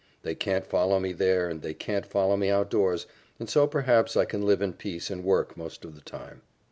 They can't follow me there and they can't follow me outdoors, and so perhaps I can live in peace and work most of the time."